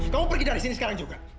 kamu pergi dari sini sekarang juga